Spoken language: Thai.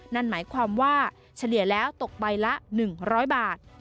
นั่นหมายความว่าเฉลี่ยแล้วตกใบละ๑๐๐บาท